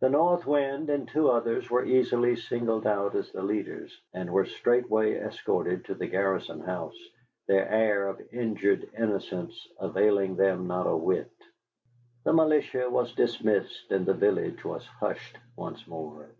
The North Wind and two others were easily singled out as the leaders, and were straightway escorted to the garrison house, their air of injured innocence availing them not a whit. The militia was dismissed, and the village was hushed once more.